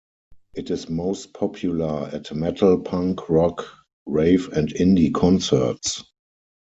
It is most popular at metal, punk, rock, rave and indie concerts.